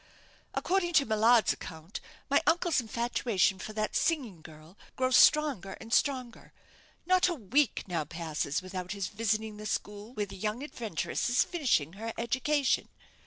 According to Millard's account my uncle's infatuation for that singing girl grows stronger and stronger. Not a week now passes without his visiting the school where the young adventuress is finishing her education.